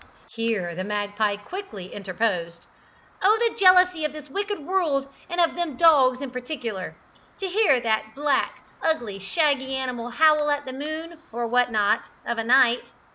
Here the magpie quickly interposed. "Oh the jealousy of this wicked world and of them dogs in particular! To hear that black, ugly, shaggy animal howl at the moon, or what not, of a night.